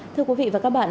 thưa quý vị và các bạn